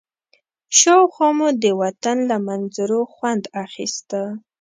شاوخوا مو د وطن له منظرو خوند اخيسته.